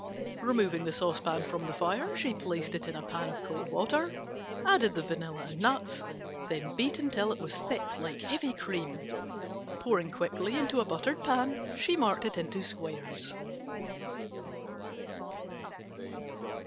Removing the saucepan from the fire, she placed it in a pan of cold water, added the vanilla and nuts, then beat until it was thick like heavy cream. Pouring quickly into a buttered pan, she marked it into squares.